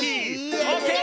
オーケー！